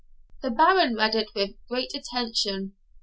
The Baron read it with great attention.